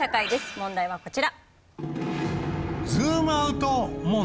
問題はこちら。